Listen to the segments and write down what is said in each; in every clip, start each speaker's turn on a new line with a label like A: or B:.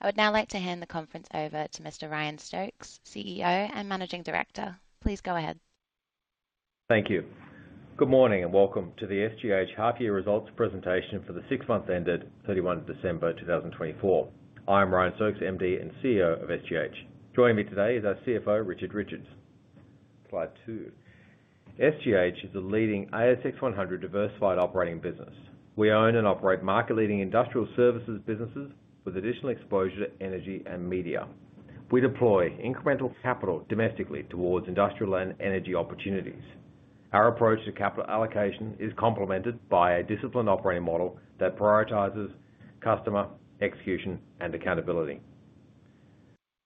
A: I would now like to hand the conference over to Mr. Ryan Stokes, CEO and Managing Director. Please go ahead.
B: Thank you. Good morning and welcome to the SGH half-year results presentation for the six months ended 31 December 2024. I'm Ryan Stokes, MD and CEO of SGH. Joining me today is our CFO, Richard Richards. Slide two. SGH is the leading ASX 100 diversified operating business. We own and operate market-leading industrial services businesses with additional exposure to energy and media. We deploy incremental capital domestically towards industrial and energy opportunities. Our approach to capital allocation is complemented by a disciplined operating model that prioritizes customer execution and accountability.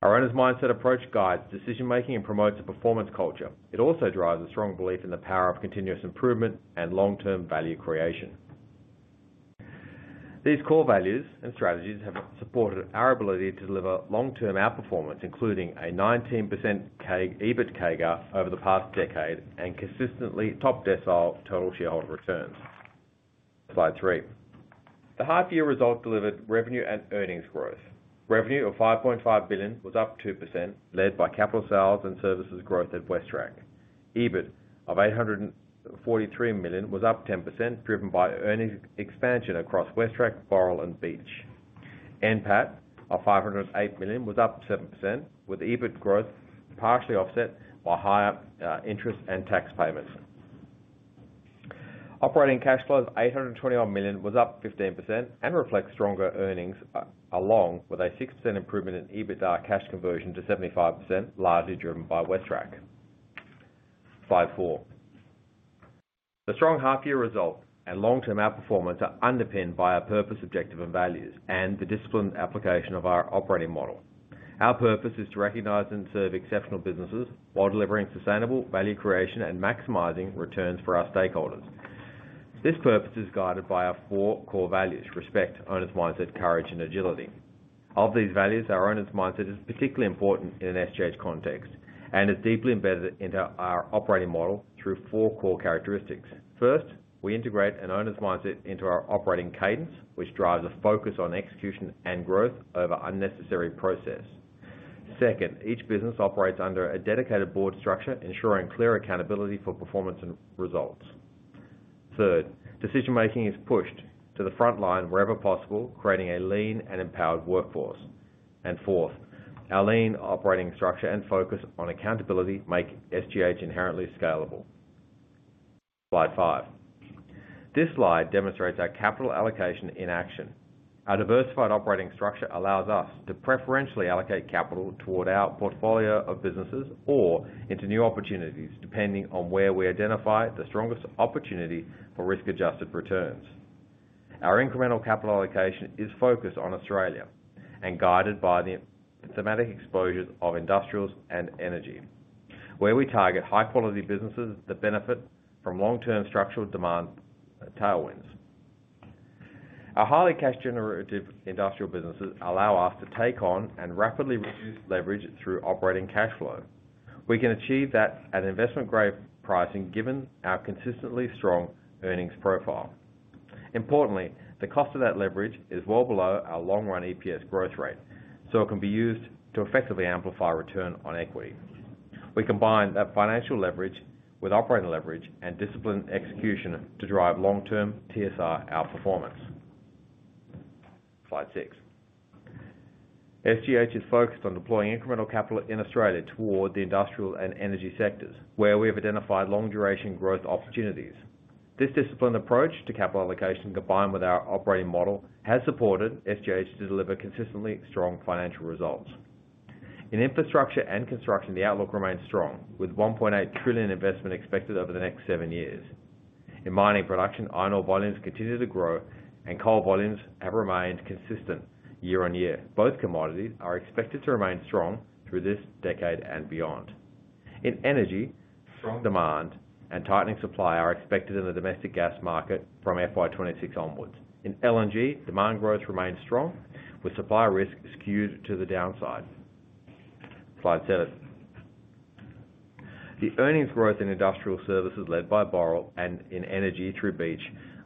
B: Our owners' mindset approach guides decision-making and promotes a performance culture. It also drives a strong belief in the power of continuous improvement and long-term value creation. These core values and strategies have supported our ability to deliver long-term outperformance, including a 19% EBIT CAGR over the past decade and consistently top decile total shareholder returns. Slide three. The half-year result delivered revenue and earnings growth. Revenue of 5.5 billion was up 2%, led by capital sales and services growth at WesTrac. EBIT of 843 million was up 10%, driven by earnings expansion across WesTrac, Boral, and Beach. NPAT of 508 million was up 7%, with EBIT growth partially offset by higher interest and tax payments. Operating cash flow of 821 million was up 15% and reflects stronger earnings, along with a 6% improvement in EBITDA cash conversion to 75%, largely driven by WesTrac. Slide four. The strong half-year result and long-term outperformance are underpinned by our purpose, objective, and values, and the disciplined application of our operating model. Our purpose is to recognize and serve exceptional businesses while delivering sustainable value creation and maximizing returns for our stakeholders. This purpose is guided by our four core values: respect, owners' mindset, courage, and agility. Of these values, our owners' mindset is particularly important in an SGH context and is deeply embedded into our operating model through four core characteristics. First, we integrate an owners' mindset into our operating cadence, which drives a focus on execution and growth over unnecessary process. Second, each business operates under a dedicated board structure, ensuring clear accountability for performance and results. Third, decision-making is pushed to the front line wherever possible, creating a lean and empowered workforce. And fourth, our lean operating structure and focus on accountability make SGH inherently scalable. Slide five. This slide demonstrates our capital allocation in action. Our diversified operating structure allows us to preferentially allocate capital toward our portfolio of businesses or into new opportunities, depending on where we identify the strongest opportunity for risk-adjusted returns. Our incremental capital allocation is focused on Australia and guided by the thematic exposures of industrials and energy, where we target high-quality businesses that benefit from long-term structural demand tailwinds. Our highly cash-generative industrial businesses allow us to take on and rapidly reduce leverage through operating cash flow. We can achieve that at investment-grade pricing, given our consistently strong earnings profile. Importantly, the cost of that leverage is well below our long-run EPS growth rate, so it can be used to effectively amplify return on equity. We combine that financial leverage with operating leverage and disciplined execution to drive long-term TSR outperformance. Slide six. SGH is focused on deploying incremental capital in Australia toward the industrial and energy sectors, where we have identified long-duration growth opportunities. This disciplined approach to capital allocation, combined with our operating model, has supported SGH to deliver consistently strong financial results. In infrastructure and construction, the outlook remains strong, with 1.8 trillion investment expected over the next seven years. In mining production, iron ore volumes continue to grow, and coal volumes have remained consistent year on year. Both commodities are expected to remain strong through this decade and beyond. In energy, strong demand and tightening supply are expected in the domestic gas market from FY 2026 onwards. In LNG, demand growth remains strong, with supply risk skewed to the downside. Slide seven. The earnings growth in industrial services, led by Boral, and in energy through Beach,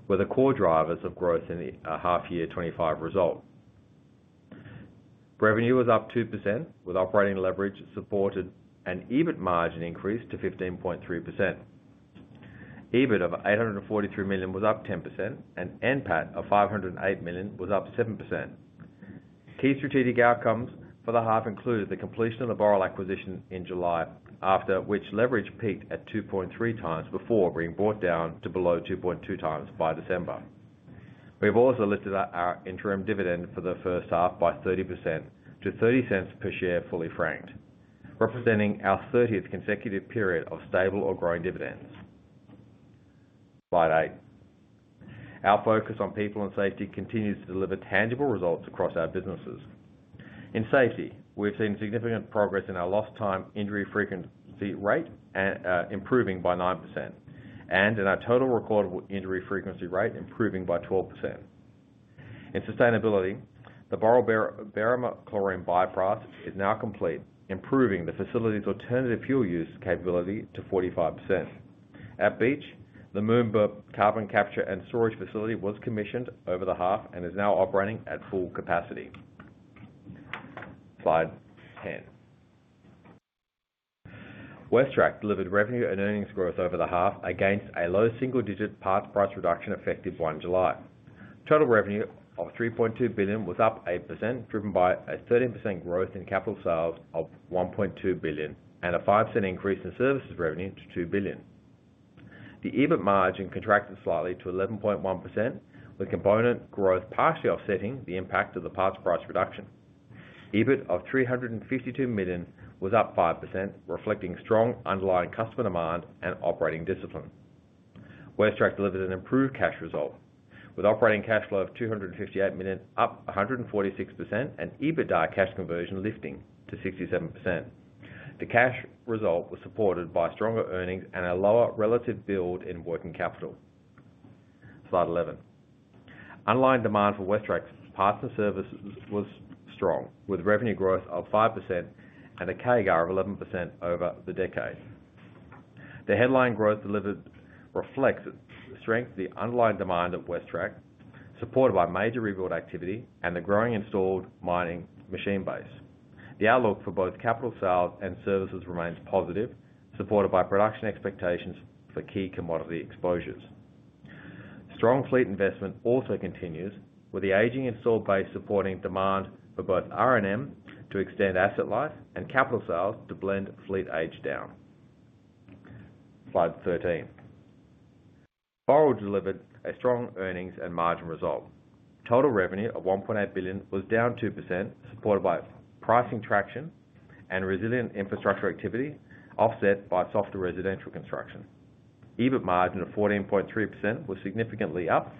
B: were the core drivers of growth in the half-year 2025 result. Revenue was up 2%, with operating leverage supported and EBIT margin increased to 15.3%. EBIT of 843 million was up 10%, and NPAT of 508 million was up 7%. Key strategic outcomes for the half included the completion of the Boral acquisition in July, after which leverage peaked at 2.3x before being brought down to below 2.2x by December. We have also lifted our interim dividend for the first half by 30% to 0.30 per share fully franked, representing our 30th consecutive period of stable or growing dividends. Slide eight. Our focus on people and safety continues to deliver tangible results across our businesses. In safety, we have seen significant progress in our lost-time injury frequency rate, improving by 9%, and in our total recorded injury frequency rate, improving by 12%. In sustainability, the Boral Chlorine Bypass is now complete, improving the facility's alternative fuel use capability to 45%. At Beach, the Moomba Carbon Capture and Storage Facility was commissioned over the half and is now operating at full capacity. Slide 10. WesTrac delivered revenue and earnings growth over the half against a low single-digit parts price reduction effective 1 July. Total revenue of 3.2 billion was up 8%, driven by a 13% growth in capital sales of 1.2 billion and a 5% increase in services revenue to 2 billion. The EBIT margin contracted slightly to 11.1%, with component growth partially offsetting the impact of the parts price reduction. EBIT of 352 million was up 5%, reflecting strong underlying customer demand and operating discipline. WesTrac delivered an improved cash result, with operating cash flow of 258 million up 146% and EBITDA cash conversion lifting to 67%. The cash result was supported by stronger earnings and a lower relative build in working capital. Slide 11. Underlying demand for WesTrac's parts and services was strong, with revenue growth of 5% and a CAGR of 11% over the decade. The headline growth delivered reflects strength of the underlying demand at WesTrac, supported by major rebuild activity and the growing installed mining machine base. The outlook for both capital sales and services remains positive, supported by production expectations for key commodity exposures. Strong fleet investment also continues, with the aging installed base supporting demand for both R&M to extend asset life and capital sales to blend fleet age down. Slide 13. Boral delivered a strong earnings and margin result. Total revenue of 1.8 billion was down 2%, supported by pricing traction and resilient infrastructure activity offset by softer residential construction. EBIT margin of 14.3% was significantly up,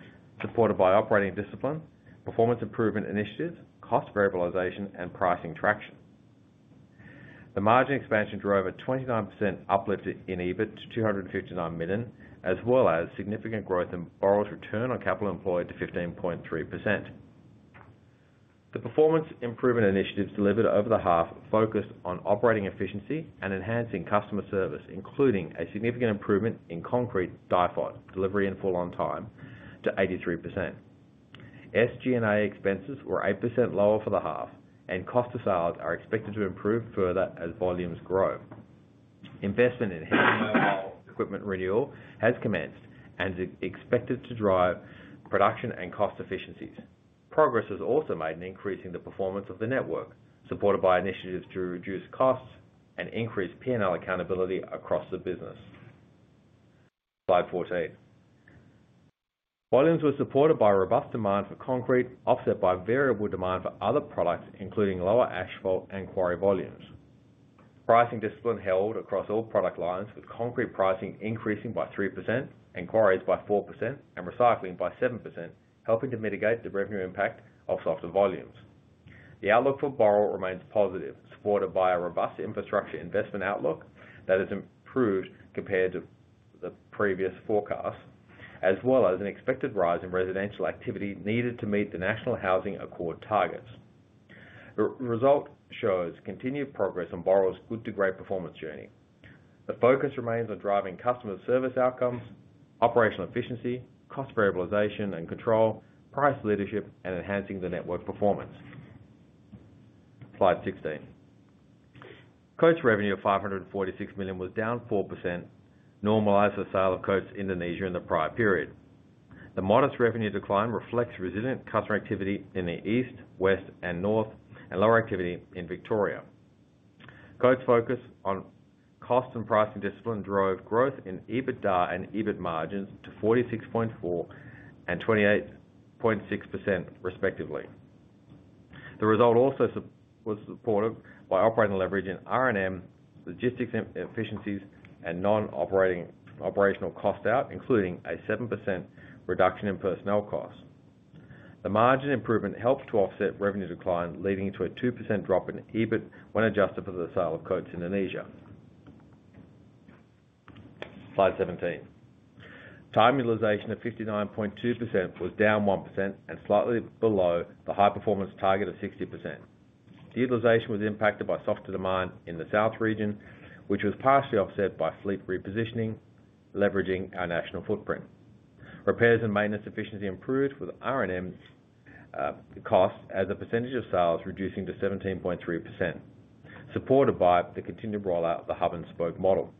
B: supported by operating discipline, performance improvement initiatives, cost variabilization, and pricing traction. The margin expansion drove a 29% uplift in EBIT to 259 million, as well as significant growth in Boral's return on capital employed to 15.3%. The performance improvement initiatives delivered over the half focused on operating efficiency and enhancing customer service, including a significant improvement in concrete DIFOT delivery in full on time to 83%. SG&A expenses were 8% lower for the half, and cost of sales are expected to improve further as volumes grow. Investment in heavy mobile equipment renewal has commenced and is expected to drive production and cost efficiencies. Progress is also made in increasing the performance of the network, supported by initiatives to reduce costs and increase P&L accountability across the business. Slide 14. Volumes were supported by robust demand for concrete, offset by variable demand for other products, including lower asphalt and quarry volumes. Pricing discipline held across all product lines, with concrete pricing increasing by 3% and quarries by 4% and recycling by 7%, helping to mitigate the revenue impact of softer volumes. The outlook for Boral remains positive, supported by a robust infrastructure investment outlook that has improved compared to the previous forecasts, as well as an expected rise in residential activity needed to meet the National Housing Accord targets. The result shows continued progress on Boral's Good to Great performance journey. The focus remains on driving customer service outcomes, operational efficiency, cost variabilization and control, price leadership, and enhancing the network performance. Slide 16. Coates' revenue of 546 million was down 4%, normalized for sale of Coates Indonesia in the prior period. The modest revenue decline reflects resilient customer activity in the east, west, and north, and lower activity in Victoria. Coates' focus on cost and pricing discipline drove growth in EBITDA and EBIT margins to 46.4% and 28.6%, respectively. The result also was supported by operating leverage in R&M, logistics efficiencies, and non-operational cost out, including a 7% reduction in personnel costs. The margin improvement helped to offset revenue decline, leading to a 2% drop in EBIT when adjusted for the sale of Coates Indonesia. Slide 17. Time utilization of 59.2% was down 1% and slightly below the high-performance target of 60%. Utilization was impacted by softer demand in the south region, which was partially offset by fleet repositioning, leveraging our national footprint. Repairs and maintenance efficiency improved with R&M costs as a percentage of sales reducing to 17.3%, supported by the continued rollout of the hub-and-spoke model.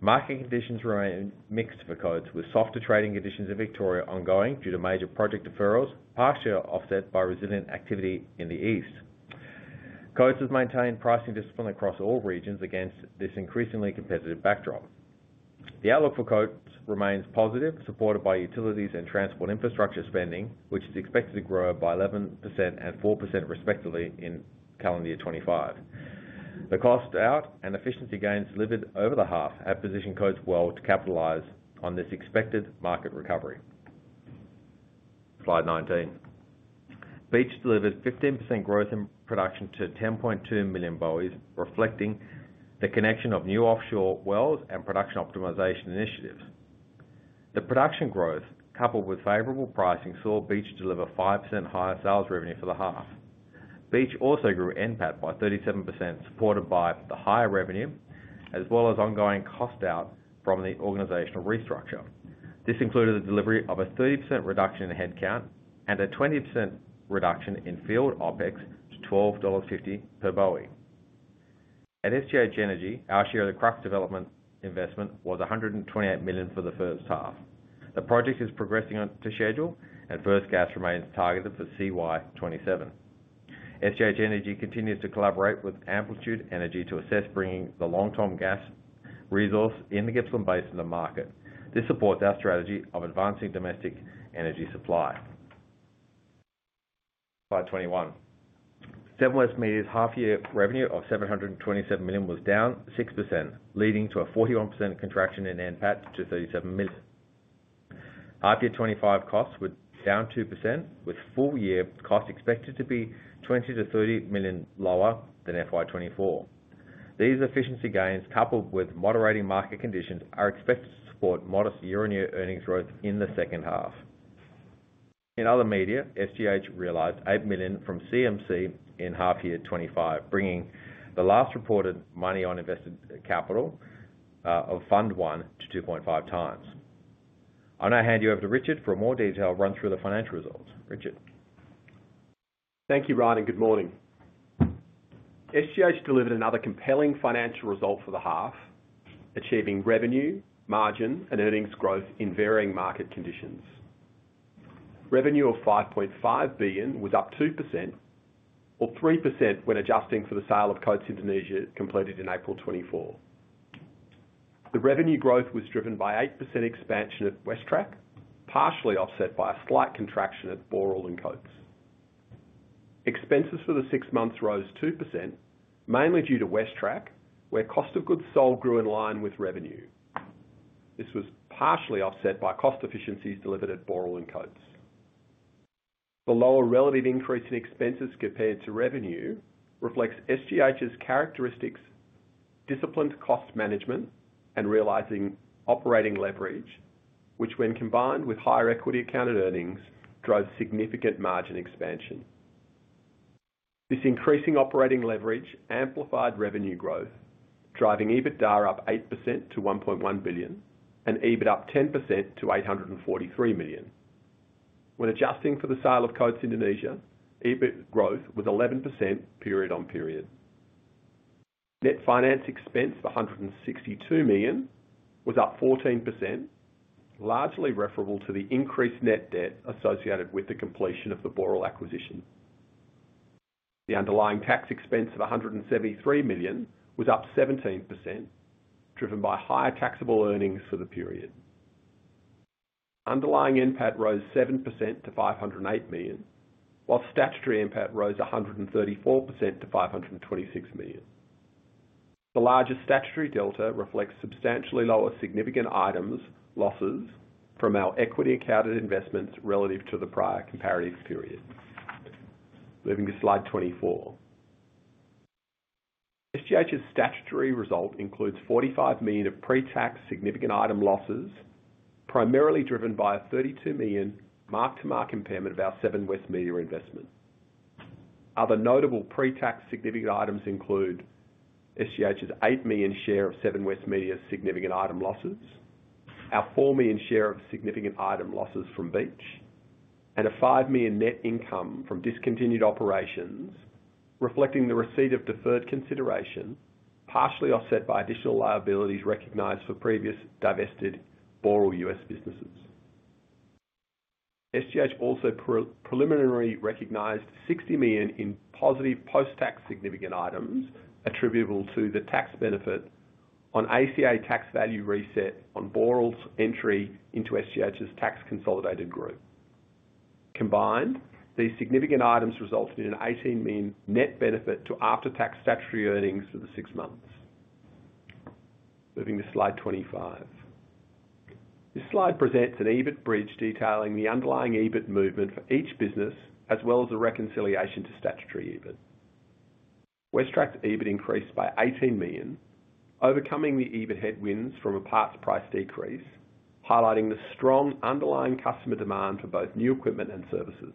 B: Market conditions remained mixed for Coates, with softer trading conditions in Victoria ongoing due to major project deferrals, partially offset by resilient activity in the east. Coates has maintained pricing discipline across all regions against this increasingly competitive backdrop. The outlook for Coates remains positive, supported by utilities and transport infrastructure spending, which is expected to grow by 11% and 4%, respectively, in calendar year 2025. The cost out and efficiency gains delivered over the half have positioned Coates well to capitalize on this expected market recovery. Slide 19. Beach delivered 15% growth in production to 10.2 million boe, reflecting the connection of new offshore wells and production optimization initiatives. The production growth, coupled with favorable pricing, saw Beach deliver 5% higher sales revenue for the half. Beach also grew NPAT by 37%, supported by the higher revenue, as well as ongoing cost out from the organizational restructure. This included the delivery of a 30% reduction in headcount and a 20% reduction in field OpEx to $12.50 per boe. At SGH Energy, our share of the Crux development investment was 128 million for the first half. The project is progressing on to schedule, and first gas remains targeted for CY 2027. SGH Energy continues to collaborate with Amplitude Energy to assess bringing the long-term gas resource in the Gippsland Basin to market. This supports our strategy of advancing domestic energy supply. Slide 21. Seven West Media's half-year revenue of 727 million was down 6%, leading to a 41% contraction in NPAT to 37 million. Half-year 2025 costs were down 2%, with full-year costs expected to be 20 million-30 million lower than FY 2024. These efficiency gains, coupled with moderating market conditions, are expected to support modest year-on-year earnings growth in the second half. In other media, SGH realized 8 million from CMC in half-year 2025, bringing the last reported MOIC of Fund 1 to 2.5x. I'm going to hand you over to Richard for a more detailed run-through of the financial results. Richard.
C: Thank you, Ryan, and good morning. SGH delivered another compelling financial result for the half, achieving revenue, margin, and earnings growth in varying market conditions. Revenue of 5.5 billion was up 2%, or 3% when adjusting for the sale of Coates Indonesia completed in April 2024. The revenue growth was driven by 8% expansion at WesTrac, partially offset by a slight contraction at Boral and Coates. Expenses for the six months rose 2%, mainly due to WesTrac, where cost of goods sold grew in line with revenue. This was partially offset by cost efficiencies delivered at Boral and Coates. The lower relative increase in expenses compared to revenue reflects SGH's characteristics, disciplined cost management, and realizing operating leverage, which, when combined with higher equity accounted earnings, drove significant margin expansion. This increasing operating leverage amplified revenue growth, driving EBITDA up 8% to 1.1 billion and EBIT up 10% to 843 million. When adjusting for the sale of Coates Indonesia, EBIT growth was 11% period on period. Net finance expense of 162 million was up 14%, largely referable to the increased net debt associated with the completion of the Boral acquisition. The underlying tax expense of 173 million was up 17%, driven by higher taxable earnings for the period. Underlying NPAT rose 7% to 508 million, while statutory NPAT rose 134% to 526 million. The larger statutory delta reflects substantially lower significant items losses from our equity accounted investments relative to the prior comparative period. Moving to Slide 24. SGH's statutory result includes 45 million of pre-tax significant item losses, primarily driven by a 32 million mark-to-market impairment of our Seven West Media investment. Other notable pre-tax significant items include SGH's 8 million share of Seven West Media significant item losses, our 4 million share of significant item losses from Beach, and a 5 million net income from discontinued operations, reflecting the receipt of deferred consideration, partially offset by additional liabilities recognized for previous divested Boral U.S. businesses. SGH also preliminarily recognized 60 million in positive post-tax significant items attributable to the tax benefit on ACA tax value reset on Boral's entry into SGH's tax consolidated group. Combined, these significant items resulted in an 18 million net benefit to after-tax statutory earnings for the six months. Moving to slide 25. This slide presents an EBIT bridge detailing the underlying EBIT movement for each business, as well as the reconciliation to statutory EBIT. WesTrac's EBIT increased by 18 million, overcoming the EBIT headwinds from a parts price decrease, highlighting the strong underlying customer demand for both new equipment and services.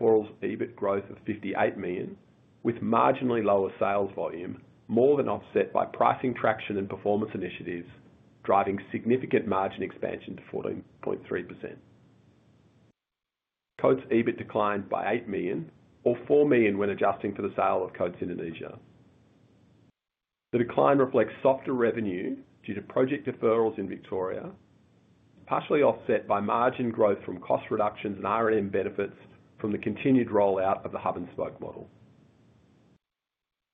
C: Boral's EBIT growth of 58 million, with marginally lower sales volume, more than offset by pricing traction and performance initiatives, driving significant margin expansion to 14.3%. Coates' EBIT declined by 8 million, or 4 million when adjusting for the sale of Coates Indonesia. The decline reflects softer revenue due to project deferrals in Victoria, partially offset by margin growth from cost reductions and R&M benefits from the continued rollout of the hub-and-spoke model.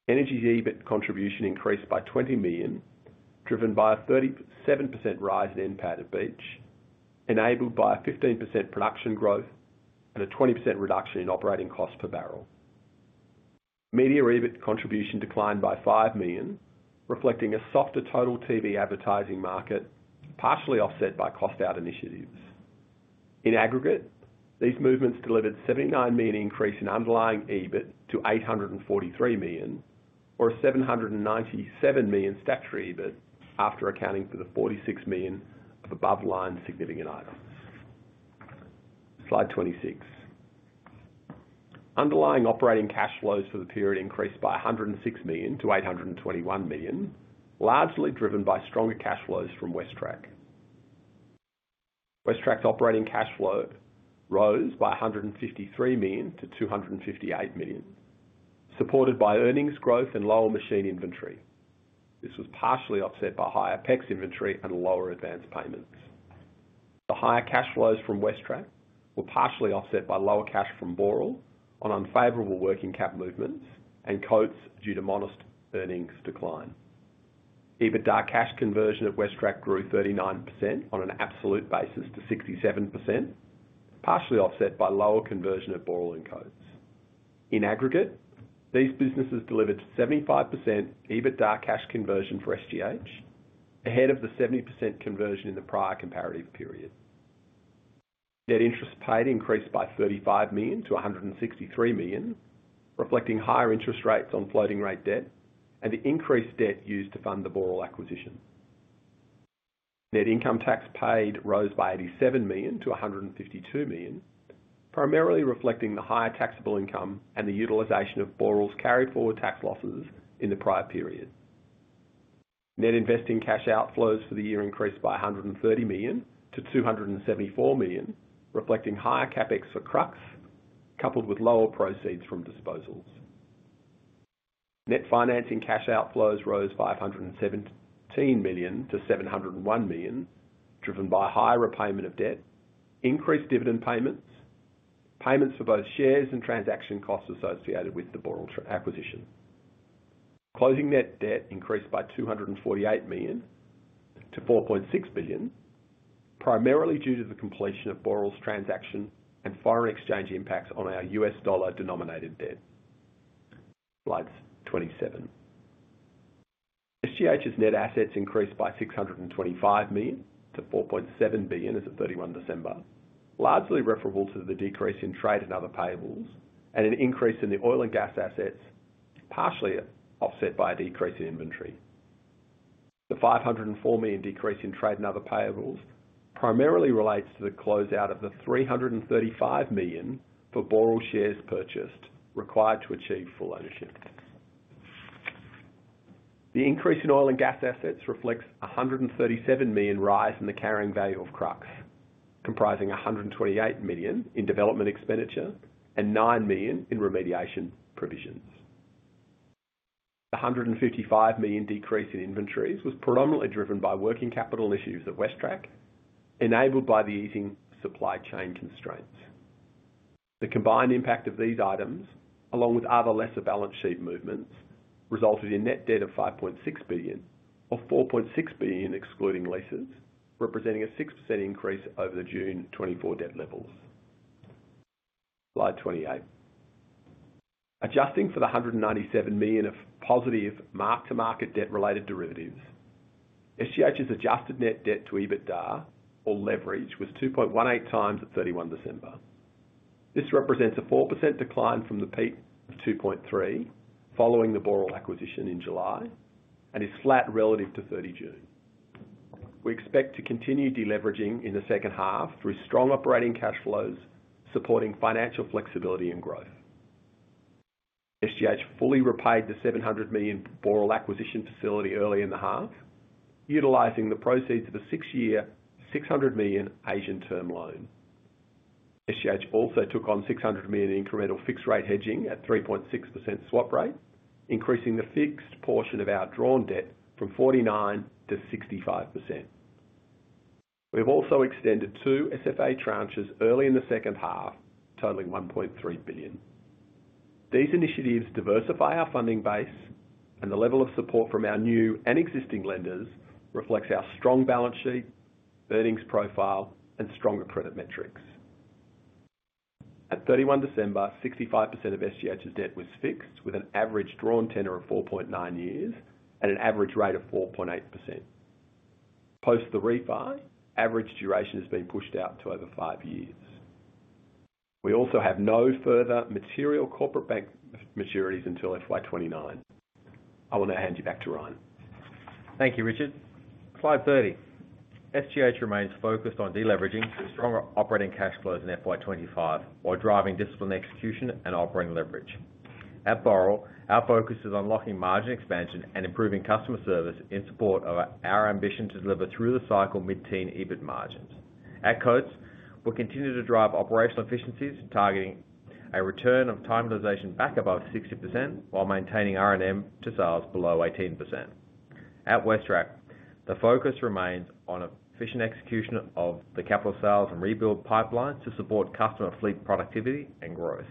C: Energy's EBIT contribution increased by 20 million, driven by a 37% rise in NPAT at Beach, enabled by a 15% production growth and a 20% reduction in operating cost per barrel. Media EBIT contribution declined by 5 million, reflecting a softer total TV advertising market, partially offset by cost out initiatives. In aggregate, these movements delivered a 79 million increase in underlying EBIT to 843 million, or a 797 million statutory EBIT after accounting for the 46 million of above-the-line significant items. Slide 26. Underlying operating cash flows for the period increased by 106 million to 821 million, largely driven by stronger cash flows from WesTrac. WesTrac's operating cash flow rose by 153 million to 258 million, supported by earnings growth and lower machine inventory. This was partially offset by higher PEX inventory and lower advance payments. The higher cash flows from WesTrac were partially offset by lower cash from Boral on unfavorable working cap movements and Coates due to modest earnings decline. EBITDA cash conversion at WesTrac grew 39% on an absolute basis to 67%, partially offset by lower conversion at Boral and Coates. In aggregate, these businesses delivered 75% EBITDA cash conversion for SGH, ahead of the 70% conversion in the prior comparative period. Net interest paid increased by 35 million to 163 million, reflecting higher interest rates on floating rate debt and the increased debt used to fund the Boral acquisition. Net income tax paid rose by 87 million to 152 million, primarily reflecting the higher taxable income and the utilization of Boral's carry-forward tax losses in the prior period. Net investing cash outflows for the year increased by 130 million to 274 million, reflecting higher CapEx for Crux, coupled with lower proceeds from disposals. Net financing cash outflows rose 517 million to 701 million, driven by higher repayment of debt, increased dividend payments, payments for both shares and transaction costs associated with the Boral acquisition. Closing net debt increased by 248 million to 4.6 billion, primarily due to the completion of Boral's transaction and foreign exchange impacts on our U.S. dollar denominated debt. Slide 27. SGH's net assets increased by 625 million to 4.7 billion as of 31 December, largely referable to the decrease in trade and other payables and an increase in the oil and gas assets, partially offset by a decrease in inventory. The 504 million decrease in trade and other payables primarily relates to the closeout of the 335 million for Boral shares purchased required to achieve full ownership. The increase in oil and gas assets reflects a 137 million rise in the carrying value of Crux, comprising 128 million in development expenditure and 9 million in remediation provisions. The 155 million decrease in inventories was predominantly driven by working capital issues at WesTrac, enabled by the easing supply chain constraints. The combined impact of these items, along with other lesser balance sheet movements, resulted in net debt of 5.6 billion, or 4.6 billion excluding leases, representing a 6% increase over the June 2024 debt levels. Slide 28. Adjusting for the 197 million of positive mark-to-market debt-related derivatives, SGH's adjusted net debt to EBITDA, or leverage, was 2.18x at 31 December. This represents a 4% decline from the peak of 2.3 following the Boral acquisition in July and is flat relative to 30 June. We expect to continue deleveraging in the second half through strong operating cash flows supporting financial flexibility and growth. SGH fully repaid the 700 million Boral acquisition facility early in the half, utilizing the proceeds of a six-year 600 million Asian term loan. SGH also took on 600 million incremental fixed-rate hedging at 3.6% swap rate, increasing the fixed portion of our drawn debt from 49%-65%. We have also extended two SFA tranches early in the second half, totaling 1.3 billion. These initiatives diversify our funding base, and the level of support from our new and existing lenders reflects our strong balance sheet, earnings profile, and stronger credit metrics. At 31 December, 65% of SGH's debt was fixed with an average drawn tenor of 4.9 years and an average rate of 4.8%. Post the refi, average duration has been pushed out to over five years. We also have no further material corporate bank maturities until FY 2029. I will now hand you back to Ryan.
B: Thank you, Richard. Slide 30. SGH remains focused on deleveraging through stronger operating cash flows in FY 2025 while driving discipline execution and operating leverage. At Boral, our focus is on locking margin expansion and improving customer service in support of our ambition to deliver through the cycle mid-teen EBIT margins. At Coates, we'll continue to drive operational efficiencies, targeting a return of time utilization back above 60% while maintaining R&M to sales below 18%. At WesTrac, the focus remains on efficient execution of the capital sales and rebuild pipelines to support customer fleet productivity and growth.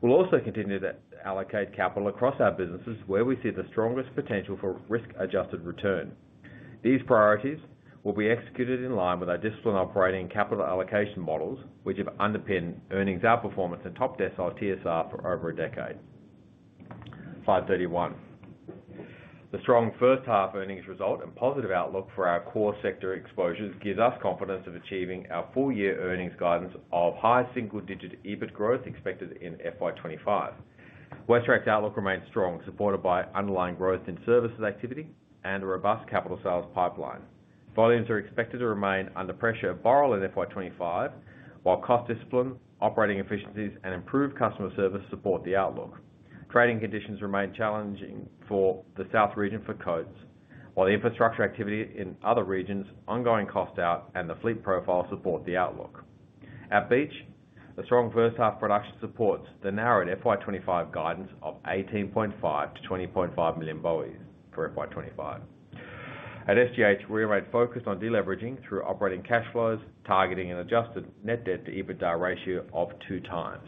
B: We'll also continue to allocate capital across our businesses where we see the strongest potential for risk-adjusted return. These priorities will be executed in line with our disciplined operating and capital allocation models, which have underpinned earnings outperformance and top decile TSR for over a decade. Slide 31. The strong first half earnings result and positive outlook for our core sector exposures gives us confidence of achieving our full-year earnings guidance of high single-digit EBIT growth expected in FY 2025. WesTrac's outlook remains strong, supported by underlying growth in services activity and a robust capital sales pipeline. Volumes are expected to remain under pressure at Boral in FY 2025, while cost discipline, operating efficiencies, and improved customer service support the outlook. Trading conditions remain challenging for the South region for Coates, while the infrastructure activity in other regions, ongoing cost out, and the fleet profile support the outlook. At Beach, a strong first half production supports the narrowed FY 2025 guidance of 18.5 to 20.5 MMboe for FY 2025. At SGH, we remain focused on deleveraging through operating cash flows, targeting an adjusted net debt to EBITDA ratio of 2x.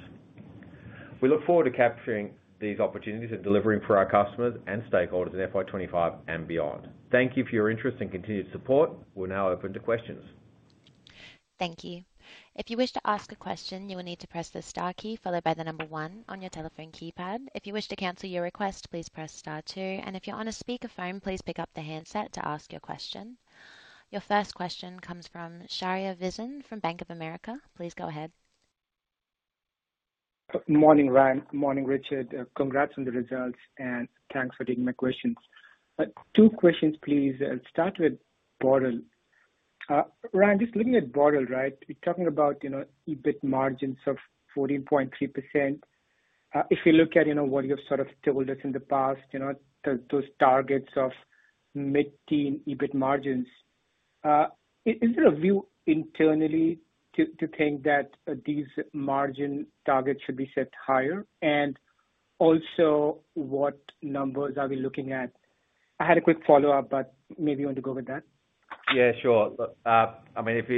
B: We look forward to capturing these opportunities and delivering for our customers and stakeholders in FY 2025 and beyond. Thank you for your interest and continued support. We're now open to questions.
A: Thank you. If you wish to ask a question, you will need to press the star key followed by the number one on your telephone keypad. If you wish to cancel your request, please press star two. And if you're on a speakerphone, please pick up the handset to ask your question. Your first question comes from Shaurya Visen from Bank of America. Please go ahead.
D: Good morning, Ryan. Good morning, Richard. Congrats on the results, and thanks for taking my questions. Two questions, please. I'll start with Boral. Ryan, just looking at Boral, right, you're talking about EBIT margins of 14.3%. If you look at what you've sort of told us in the past, those targets of mid-teen EBIT margins, is there a view internally to think that these margin targets should be set higher? And also, what numbers are we looking at? I had a quick follow-up, but maybe you want to go with that.
B: Yeah, sure. I mean, if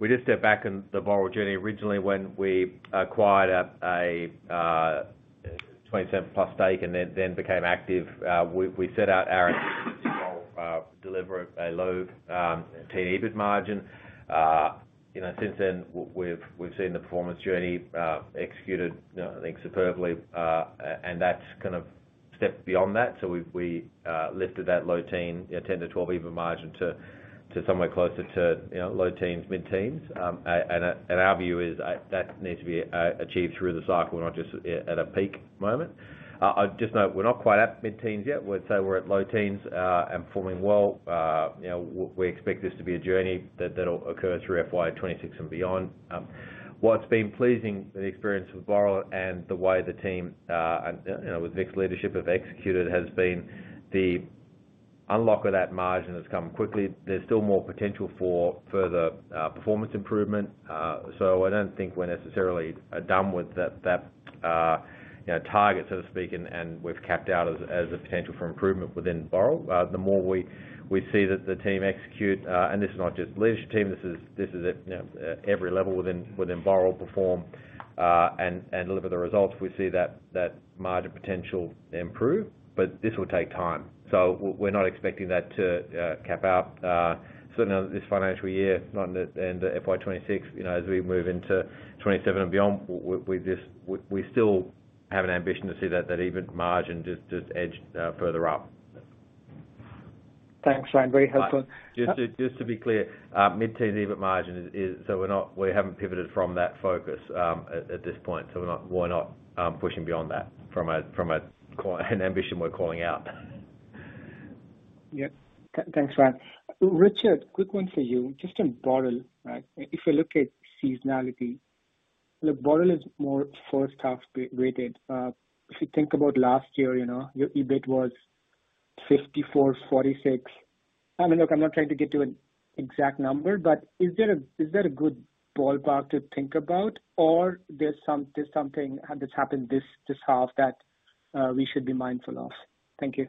B: we just step back in the Boral journey. Originally, when we acquired a 27+ stake and then became active, we set out our goal to deliver a low-teen EBIT margin. Since then, we've seen the performance journey executed, I think, superbly. And that's kind of stepped beyond that. So we lifted that low-teen 10-12 EBIT margin to somewhere closer to low-teens, mid-teens. Our view is that needs to be achieved through the cycle, not just at a peak moment. I'll just note we're not quite at mid-teens yet. We'd say we're at low-teens and performing well. We expect this to be a journey that'll occur through FY 2026 and beyond. What's been pleasing in the experience of Boral and the way the team, with Vik's leadership, have executed has been the unlock of that margin has come quickly. There's still more potential for further performance improvement. I don't think we're necessarily done with that target, so to speak, and we haven't capped out on the potential for improvement within Boral. The more we see that the team execute, and this is not just the leadership team, this is at every level within Boral, perform and deliver the results, we see that margin potential improve. This will take time. So we're not expecting that to cap out. Certainly, this financial year, not in FY 2026, as we move into 2027 and beyond, we still have an ambition to see that EBIT margin just edge further up.
D: Thanks, Ryan. Very helpful.
B: Just to be clear, mid-teens EBIT margin, so we haven't pivoted from that focus at this point. So we're not pushing beyond that from an ambition we're calling out.
D: Yep. Thanks, Ryan. Richard, quick one for you. Just on Boral, right? If you look at seasonality, Boral is more first-half weighted. If you think about last year, your EBIT was 54, 46. I mean, look, I'm not trying to get to an exact number, but is there a good ballpark to think about, or there's something that's happened this half that we should be mindful of? Thank you.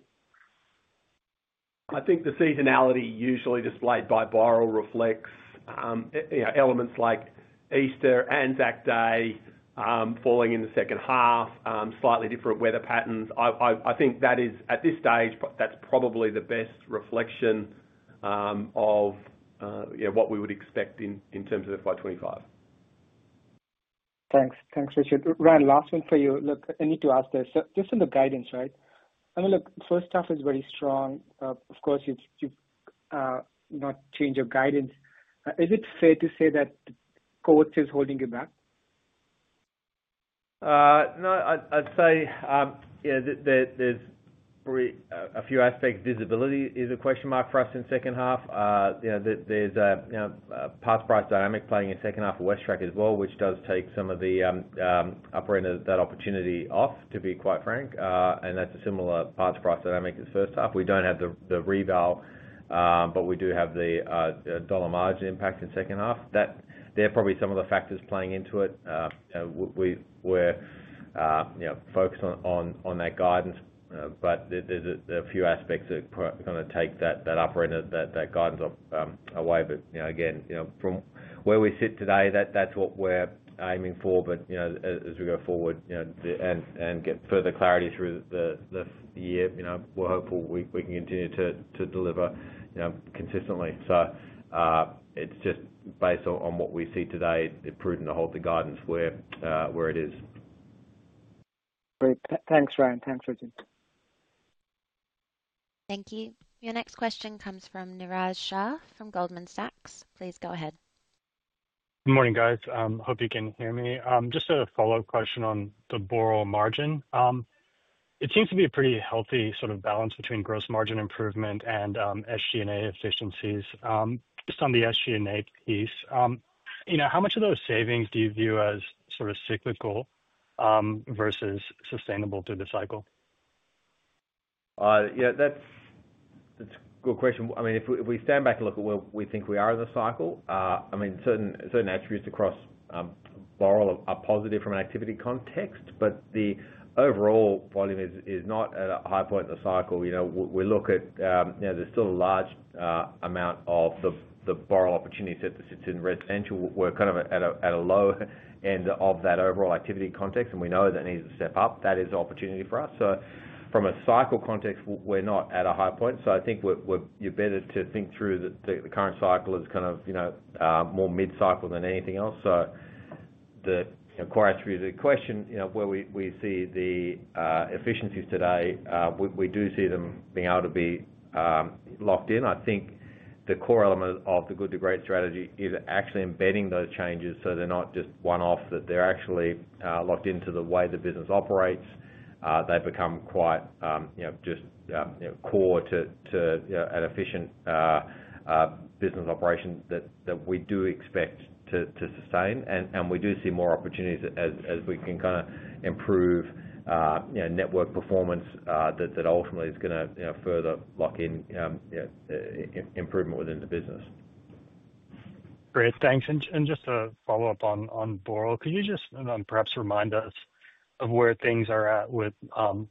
C: I think the seasonality usually displayed by Boral reflects elements like Easter, ANZAC Day, falling in the second half, slightly different weather patterns. I think that is, at this stage, that's probably the best reflection of what we would expect in terms of FY 2025.
D: Thanks. Thanks, Richard. Ryan, last one for you. Look, I need to ask this. Just on the guidance, right? I mean, look, first half is very strong. Of course, you've not changed your guidance. Is it fair to say that Coates is holding you back?
B: No, I'd say there's a few aspects. Visibility is a question mark for us in the second half. There's a parts price dynamic playing in the second half of WesTrac as well, which does take some of the upper end of that opportunity off, to be quite frank. And that's a similar parts price dynamic as first half. We don't have the reval, but we do have the dollar margin impact in the second half. They're probably some of the factors playing into it. We're focused on that guidance, but there's a few aspects that are going to take that upper end of that guidance away. But again, from where we sit today, that's what we're aiming for. But as we go forward and get further clarity through the year, we're hopeful we can continue to deliver consistently. So it's just based on what we see today, it's prudent to hold the guidance where it is.
D: Great. Thanks, Ryan. Thanks, Richard.
A: Thank you. Your next question comes from Niraj Shah from Goldman Sachs. Please go ahead.
E: Good morning, guys. Hope you can hear me. Just a follow-up question on the Boral margin. It seems to be a pretty healthy sort of balance between gross margin improvement and SG&A efficiencies. Just on the SG&A piece, how much of those savings do you view as sort of cyclical versus sustainable through the cycle?
B: Yeah, that's a good question. I mean, if we stand back and look at where we think we are in the cycle, I mean, certain attributes across Boral are positive from an activity context, but the overall volume is not at a high point in the cycle. We look at there's still a large amount of the Boral opportunity that sits in residential. We're kind of at a low end of that overall activity context, and we know that needs to step up. That is an opportunity for us. So from a cycle context, we're not at a high point. So I think you're better to think through that the current cycle is kind of more mid-cycle than anything else. So the core attribute of the question, where we see the efficiencies today, we do see them being able to be locked in. I think the core element of the good-to-great strategy is actually embedding those changes so they're not just one-off, that they're actually locked into the way the business operates. They become quite just core to an efficient business operation that we do expect to sustain. And we do see more opportunities as we can kind of improve network performance that ultimately is going to further lock in improvement within the business.
E: Great. Thanks. And just to follow up on Boral, could you just perhaps remind us of where things are at with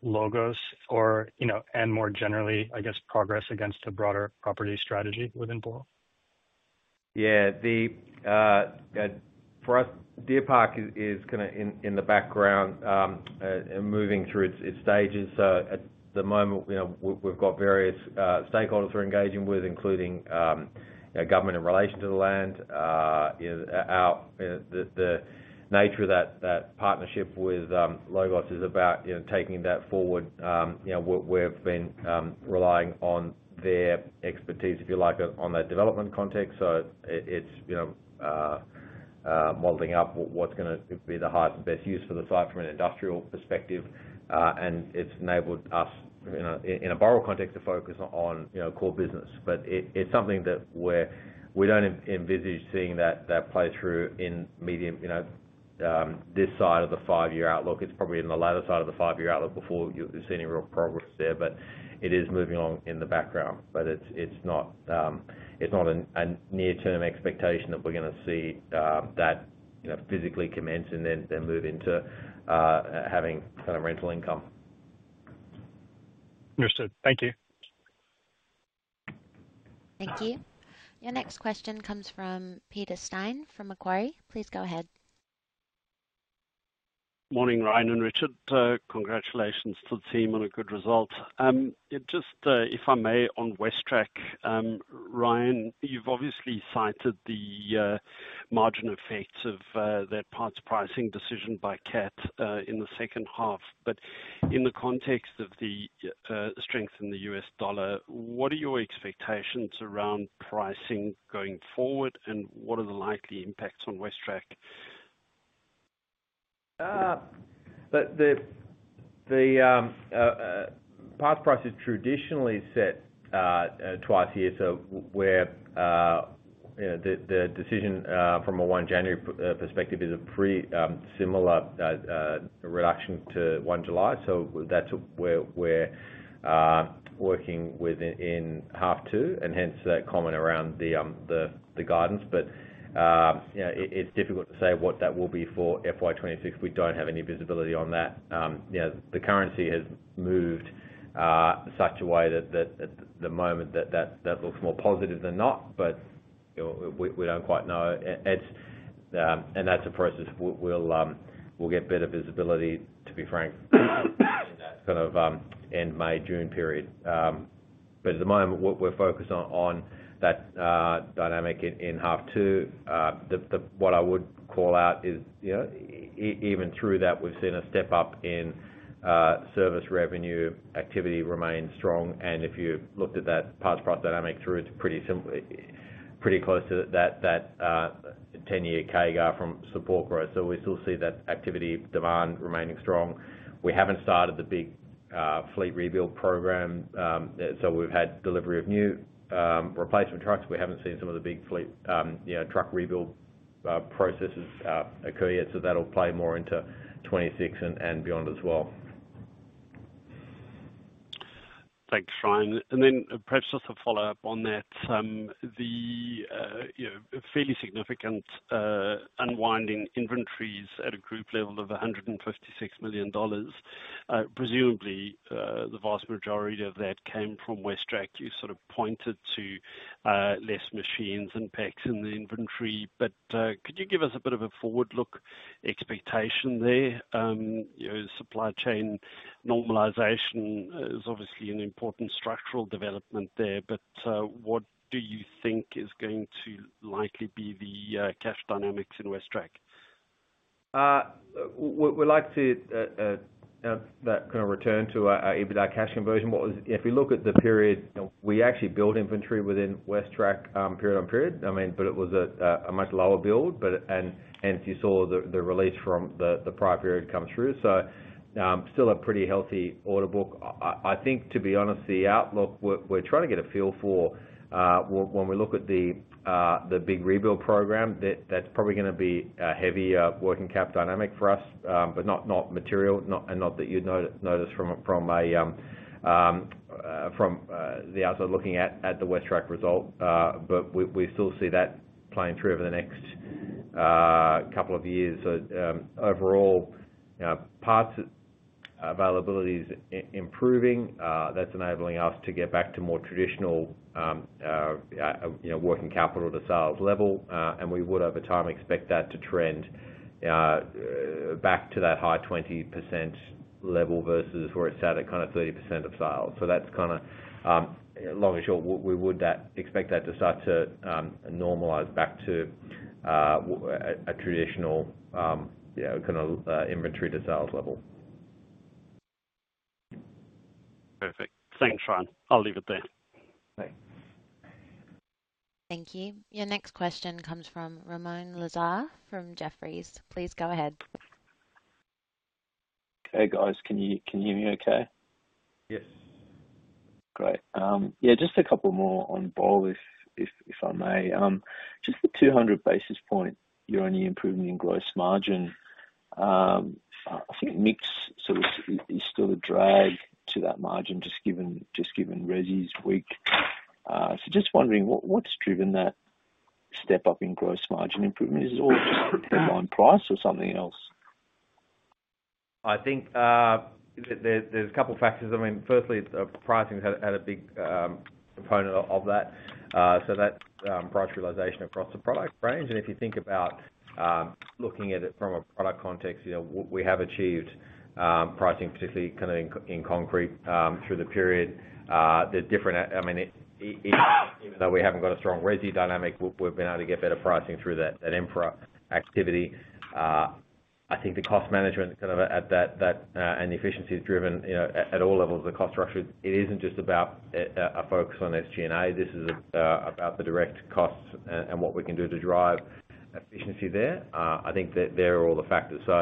E: Logos and more generally, I guess, progress against the broader property strategy within Boral? Yeah.
B: For us, Deer Park is kind of in the background and moving through its stages. So at the moment, we've got various stakeholders we're engaging with, including government in relation to the land. The nature of that partnership with Logos is about taking that forward. We've been relying on their expertise, if you like, on that development context. So it's modeling up what's going to be the highest and best use for the site from an industrial perspective. And it's enabled us, in a Boral context, to focus on core business. But it's something that we don't envisage seeing that play through in this side of the five-year outlook. It's probably in the latter side of the five-year outlook before you see any real progress there. But it is moving along in the background. But it's not a near-term expectation that we're going to see that physically commence and then move into having kind of rental income.
E: Understood. Thank you.
A: Thank you. Your next question comes from Peter Steyn from Macquarie. Please go ahead.
F: Morning, Ryan and Richard. Congratulations to the team on a good result. Just if I may, on WesTrac, Ryan, you've obviously cited the margin effects of that parts pricing decision by CAT in the second half. But in the context of the strength in the U.S. dollar, what are your expectations around pricing going forward, and what are the likely impacts on WesTrac?
B: The parts price is traditionally set twice a year. So the decision from a 1 January perspective is a pretty similar reduction to 1 July. So that's what we're working with in half two, and hence that comment around the guidance. It's difficult to say what that will be for FY 2026. We don't have any visibility on that. The currency has moved in such a way that at the moment, that looks more positive than not, but we don't quite know. And that's a process. We'll get better visibility, to be frank, in that kind of end-May-June period. But at the moment, we're focused on that dynamic in half two. What I would call out is, even through that, we've seen a step up in service revenue. Activity remains strong. And if you looked at that parts price dynamic through, it's pretty close to that 10-year CAGR for support growth. So we still see that activity demand remaining strong. We haven't started the big fleet rebuild program. So we've had delivery of new replacement trucks. We haven't seen some of the big fleet truck rebuild processes occur yet. That'll play more into 2026 and beyond as well.
F: Thanks, Ryan. Then perhaps just a follow-up on that. The fairly significant unwinding inventories at a group level of 156 million dollars. Presumably, the vast majority of that came from WesTrac. You sort of pointed to less machines and packs in the inventory. But could you give us a bit of a forward-look expectation there? Supply chain normalization is obviously an important structural development there. But what do you think is going to likely be the cash dynamics in WesTrac?
B: We'd like to kind of return to even that cash conversion. If we look at the period, we actually built inventory within WesTrac period on period. I mean, but it was a much lower build. And you saw the release from the prior period come through. So still a pretty healthy order book. I think, to be honest, the outlook we're trying to get a feel for, when we look at the big rebuild program, that's probably going to be a heavy working cap dynamic for us, but not material, and not that you'd notice from the outside looking at the WesTrac result. But we still see that playing through over the next couple of years. So overall, parts availability is improving. That's enabling us to get back to more traditional working capital to sales level. And we would, over time, expect that to trend back to that high 20% level versus where it's at at kind of 30% of sales. So that's kind of long and short, we would expect that to start to normalize back to a traditional kind of inventory to sales level.
F: Perfect. Thanks, Ryan. I'll leave it there.
A: Thank you. Your next question comes from Ramoun Lazar from Jefferies. Please go ahead.
G: Hey, guys. Can you hear me okay?
B: Yes.
G: Great. Yeah, just a couple more on Boral, if I may. Just the 200 basis points you're only improving in gross margin. I think mix sort of is still a drag to that margin just given Resi's weak. So just wondering, what's driven that step up in gross margin improvement? Is it all just headline price or something else?
B: I think there's a couple of factors. I mean, firstly, pricing had a big component of that. So that's price realization across the product range. And if you think about looking at it from a product context, we have achieved pricing, particularly kind of in concrete through the period. I mean, even though we haven't got a strong Resi dynamic, we've been able to get better pricing through that infra activity. I think the cost management kind of at that and the efficiency is driven at all levels of the cost structure. It isn't just about a focus on SG&A. This is about the direct costs and what we can do to drive efficiency there. I think there are all the factors. So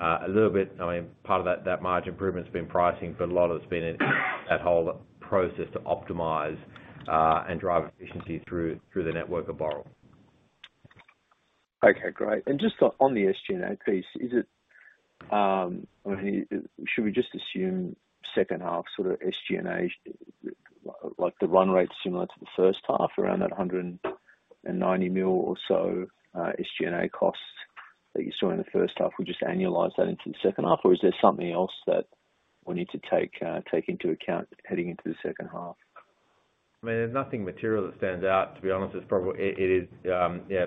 B: a little bit, I mean, part of that margin improvement has been pricing, but a lot of it's been that whole process to optimize and drive efficiency through the network of Boral.
G: Okay, great. And just on the SG&A piece, is it I mean, should we just assume second half sort of SG&A, like the run rate similar to the first half, around that 190 million or so SG&A costs that you saw in the first half? Would you just annualize that into the second half, or is there something else that we need to take into account heading into the second half?
B: I mean, there's nothing material that stands out, to be honest. It is, yeah,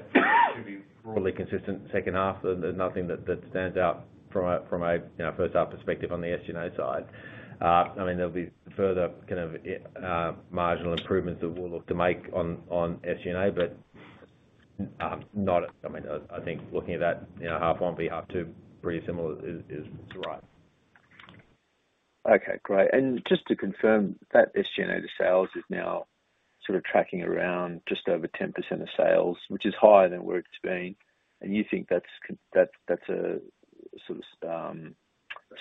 B: should be broadly consistent second half. There's nothing that stands out from a first-half perspective on the SG&A side. I mean, there'll be further kind of marginal improvements that we'll look to make on SG&A, but not, I mean, I think looking at that half one, half two, pretty similar is right.
G: Okay, great. And just to confirm, that SG&A to sales is now sort of tracking around just over 10% of sales, which is higher than where it's been. And you think that's a sort of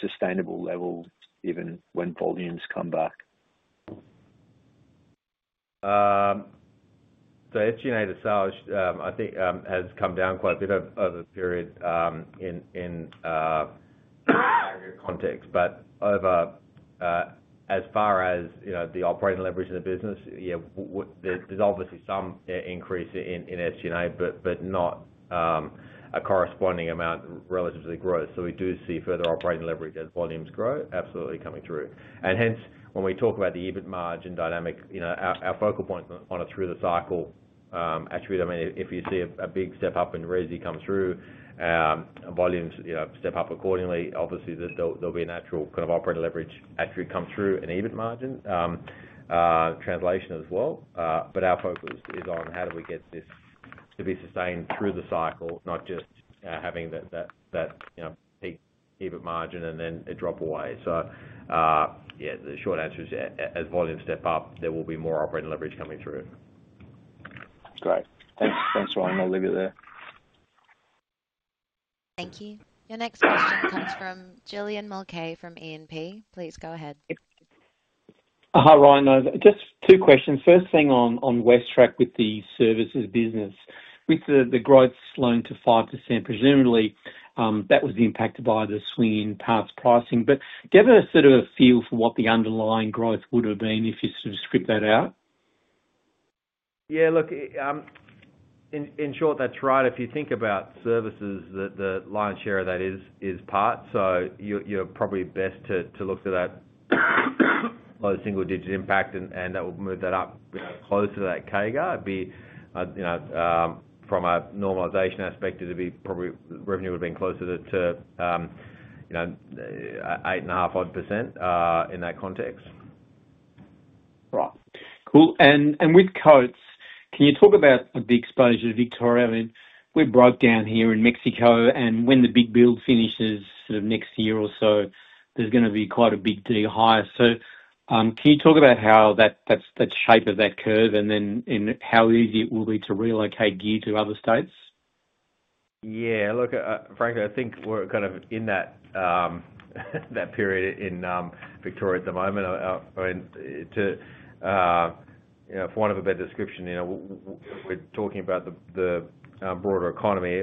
G: sustainable level even when volumes come back?
B: The SG&A to sales, I think, has come down quite a bit over the period in the Boral context. But as far as the operating leverage in the business, yeah, there's obviously some increase in SG&A, but not a corresponding amount relative to the growth. So we do see further operating leverage as volumes grow, absolutely coming through. And hence, when we talk about the EBIT margin dynamic, our focal point on a through-the-cycle attribute, I mean, if you see a big step up in Resi come through, volumes step up accordingly. Obviously, there'll be a natural kind of operating leverage attribute come through in EBIT margin translation as well. But our focus is on how do we get this to be sustained through the cycle, not just having that peak EBIT margin and then it drop away. So yeah, the short answer is, as volumes step up, there will be more operating leverage coming through.
G: Great. Thanks, Ryan. I'll leave it there.
A: Thank you. Your next question comes from Julian Mulcahy from E&P. Please go ahead.
H: Hi, Ryan. Just two questions. First thing on WesTrac with the services business, with the growth slowing to 5%, presumably that was impacted by the swing in parts pricing. But do you have a sort of a feel for what the underlying growth would have been if you sort of strip that out?
B: Yeah, look, in short, that's right. If you think about services, the lion's share of that is parts. So you're probably best to look to that single-digit impact, and that will move that up close to that CAGR. It'd be from a normalization aspect, it'd be probably revenue would have been closer to 8.5%-odd % in that context.
H: Right. Cool. And with Coates, can you talk about the exposure to Victoria? I mean, we're broke down here in Melbourne, and when the big build finishes sort of next year or so, there's going to be quite a big decline. So can you talk about how that's the shape of that curve and then how easy it will be to relocate gear to other states?
B: Yeah. Look, frankly, I think we're kind of in that period in Victoria at the moment. I mean, for want of a better description, we're talking about the broader economy.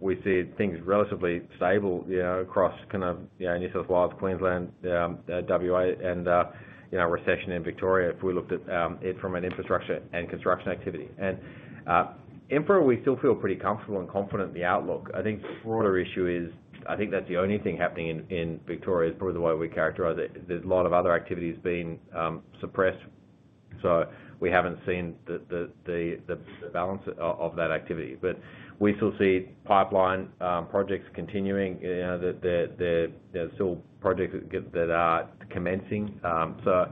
B: We see things relatively stable across kind of New South Wales, Queensland, WA, and recession in Victoria if we looked at it from an infrastructure and construction activity. And infra, we still feel pretty comfortable and confident in the outlook. I think the broader issue is, I think that's the only thing happening in Victoria is probably the way we characterize it. There's a lot of other activity that's been suppressed. So we haven't seen the balance of that activity. But we still see pipeline projects continuing. There's still projects that are commencing. So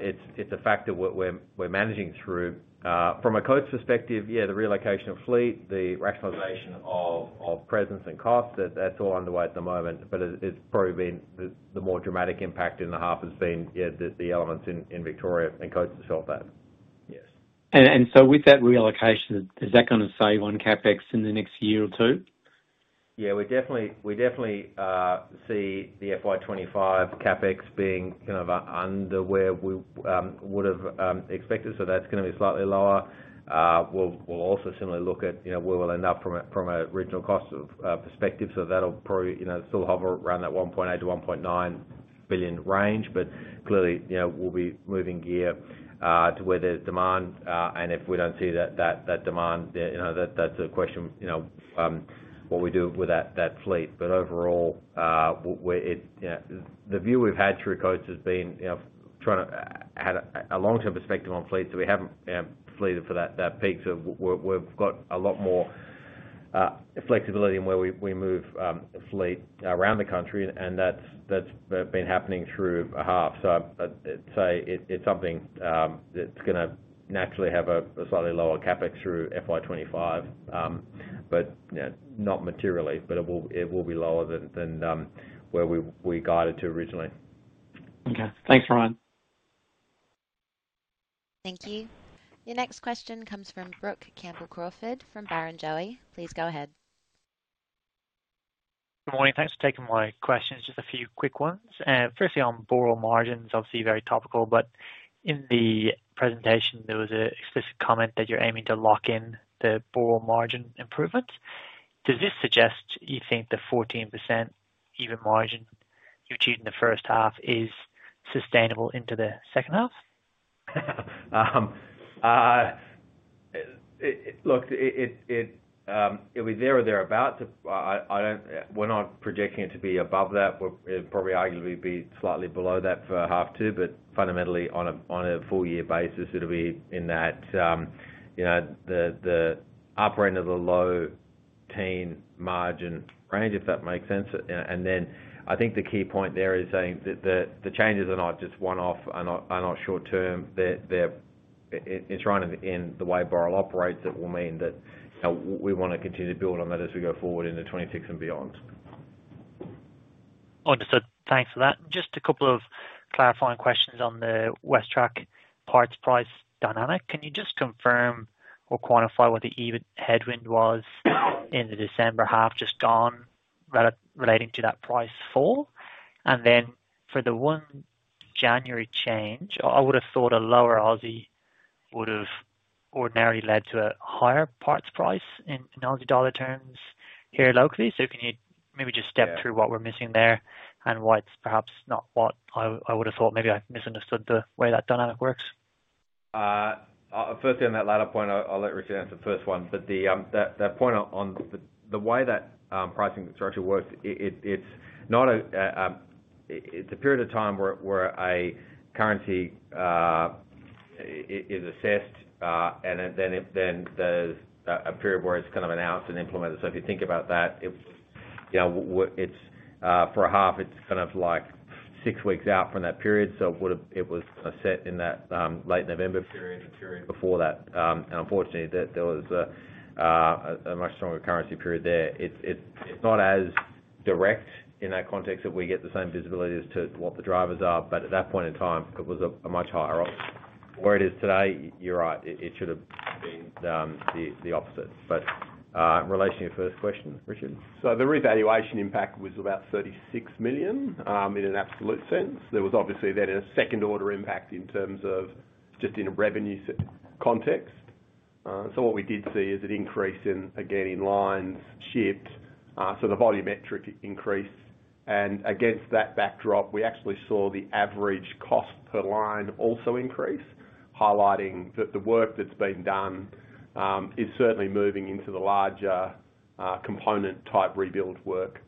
B: it's a factor we're managing through. From a Coates perspective, yeah, the relocation of fleet, the rationalization of presence and costs, that's all underway at the moment. But it's probably been the more dramatic impact in the half has been, yeah, the elements in Victoria and Coates that's felt that. Yes.
H: And so with that relocation, is that going to save on CapEx in the next year or two?
B: Yeah, we definitely see the FY 2025 CapEx being kind of under where we would have expected. So that's going to be slightly lower. We'll also similarly look at where we'll end up from an original cost perspective. So that'll probably still hover around that 1.8 million-1.9 billion range. But clearly, we'll be moving gear to where there's demand. And if we don't see that demand, that's a question of what we do with that fleet. But overall, the view we've had through Coates has been trying to have a long-term perspective on fleet. So we haven't fleeted for that peak. So we've got a lot more flexibility in where we move fleet around the country. And that's been happening through a half. So I'd say it's something that's going to naturally have a slightly lower CapEx through FY 2025, but not materially. But it will be lower than where we guided to originally.
H: Okay. Thanks, Ryan.
A: Thank you. Your next question comes from Brook Campbell-Crawford from Barrenjoey. Please go ahead.
I: Good morning. Thanks for taking my questions. Just a few quick ones. Firstly, on Boral margins, obviously very topical, but in the presentation, there was an explicit comment that you're aiming to lock in the Boral margin improvements. Does this suggest you think the 14% EBITDA margin you achieved in the first half is sustainable into the second half?
B: Look, it'll be there or thereabouts. We're not projecting it to be above that. It'll probably arguably be slightly below that for half two. But fundamentally, on a full-year basis, it'll be in that upper end of the low-teen margin range, if that makes sense. And then I think the key point there is saying that the changes are not just one-off, are not short-term. It's running in the way Boral operates that will mean that we want to continue to build on that as we go forward into 2026 and beyond.
I: Understood. Thanks for that. Just a couple of clarifying questions on the WesTrac parts price dynamic. Can you just confirm or quantify what the EBIT headwind was in the December half just gone relating to that price fall? And then for the one January change, I would have thought a lower Aussie would have ordinarily led to a higher parts price in Aussie dollar terms here locally. So can you maybe just step through what we're missing there and why it's perhaps not what I would have thought? Maybe I misunderstood the way that dynamic works.
B: Firstly, on that latter point, I'll let Richards answer the first one. But the point on the way that pricing structure works, it's not a period of time where a currency is assessed, and then there's a period where it's kind of announced and implemented. So if you think about that, for a half, it's kind of like six weeks out from that period. So it was set in that late November period, the period before that. And unfortunately, there was a much stronger currency period there. It's not as direct in that context that we get the same visibility as to what the drivers are. But at that point in time, it was a much higher AUD. Where it is today, you're right. It should have been the opposite. But in relation to your first question, Richard?
C: So the revaluation impact was about 36 million in an absolute sense. There was obviously then a second-order impact in terms of just in a revenue context. So what we did see is an increase in, again, in lines shipped. So the volumetric increase. And against that backdrop, we actually saw the average cost per line also increase, highlighting that the work that's been done is certainly moving into the larger component-type rebuild work.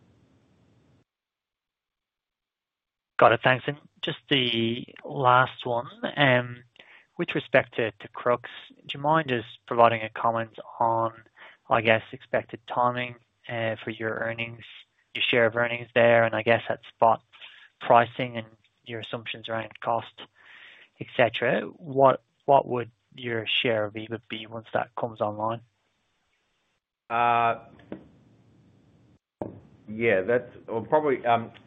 I: Got it. Thanks. And just the last one, with respect to Crux, do you mind just providing a comment on, I guess, expected timing for your earnings, your share of earnings there? And I guess that spot pricing and your assumptions around cost, etc. What would your share of EBIT be once that comes online?
B: Yeah.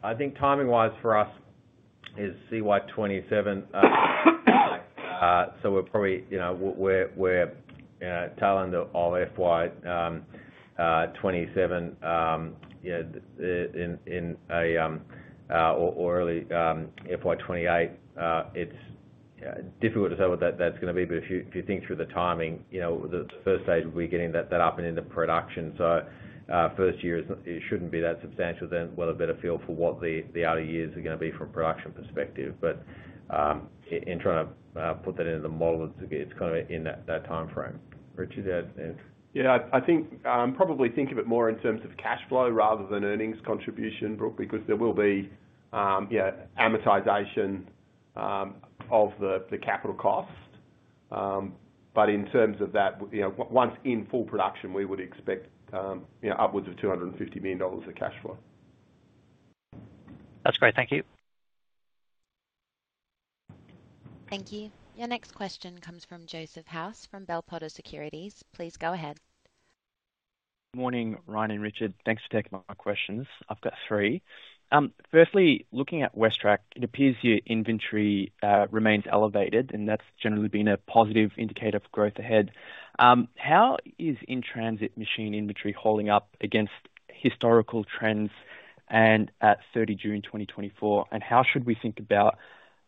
B: I think timing-wise for us is CY 2027. So we're probably tail end of FY 2027 or early FY 2028. It's difficult to say what that's going to be. But if you think through the timing, the first stage would be getting that up and into production. So first year, it shouldn't be that substantial. Then we'll have a better feel for what the outer years are going to be from a production perspective. But in trying to put that into the model, it's kind of in that timeframe. Richard,
C: yeah? Yeah. I think probably think of it more in terms of cash flow rather than earnings contribution, Brook, because there will be amortization of the capital cost. But in terms of that, once in full production, we would expect upwards of 250 million dollars of cash flow.
I: That's great. Thank you.
A: Thank you. Your next question comes from Joseph House from Bell Potter Securities. Please go ahead.
J: Good morning, Ryan and Richard. Thanks for taking my questions. I've got three. Firstly, looking at WesTrac, it appears your inventory remains elevated, and that's generally been a positive indicator of growth ahead. How is in-transit machine inventory holding up against historical trends at 30 June 2024? And how should we think about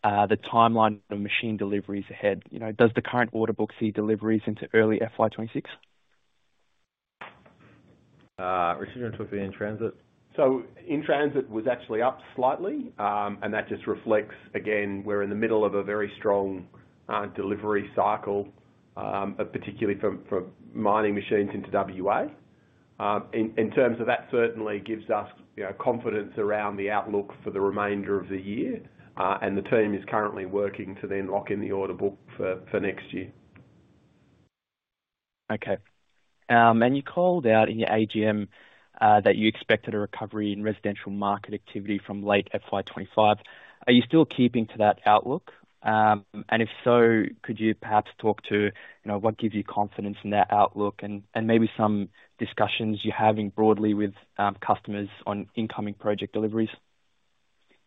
J: the timeline of machine deliveries ahead? Does the current order book see deliveries into early FY 2026?
B: Richard, you want to talk about in-transit?
C: So in-transit was actually up slightly. And that just reflects, again, we're in the middle of a very strong delivery cycle, particularly for mining machines into WA. In terms of that, certainly gives us confidence around the outlook for the remainder of the year. And the team is currently working to then lock in the order book for next year.
J: Okay. And you called out in your AGM that you expected a recovery in residential market activity from late FY 2025. Are you still keeping to that outlook? If so, could you perhaps talk to what gives you confidence in that outlook and maybe some discussions you're having broadly with customers on incoming project deliveries?